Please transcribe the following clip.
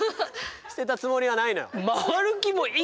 捨てたつもりはないのよ。